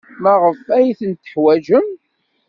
Maɣef ay ten-teḥwajem?